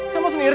saya mau sendiri